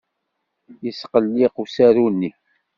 Yesqelliq usaru-nni.